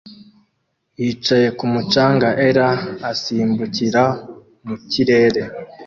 yicaye kumu canga er asimbukira mu kirere